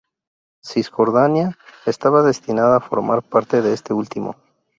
Cisjordania estaba destinada a formar parte de este último.